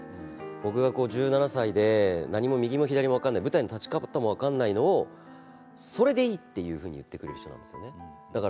僕が１７歳で右も左も分からない舞台の立ち方も分からないのをそれでいいと言ってくれる人なんですよね。